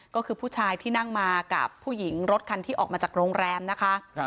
ก็คือผู้ชายที่นั่งมากับผู้หญิงรถคันที่ออกมาจากโรงแรมนะคะ